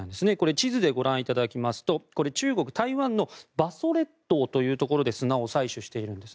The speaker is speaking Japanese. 地図でご覧いただきますと中国、台湾の馬祖列島というところで砂を採取しているんです。